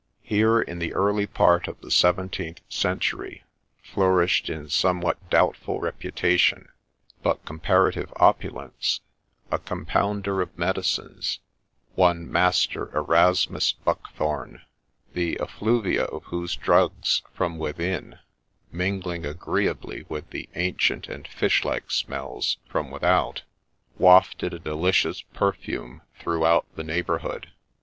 Here, in the early part of the seventeenth century, flourished in somewhat doubtful reputation, but comparative opulence, a compounder of medicines, one Master Erasmus Buckthorne ; the effluvia of whose drugs from within, mingling agreeably with the ' ancient and fish like smells ' from without, wafted a delicious perfume throughout the neighbourhood.